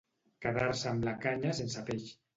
Quedar-se amb la canya sense peix.